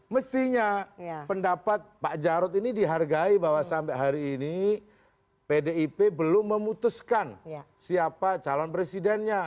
mestinya pendapat pak jarod ini dihargai bahwa sampai hari ini pdip belum memutuskan siapa calon presidennya